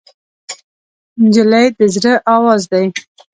نجلۍ د زړه آواز دی.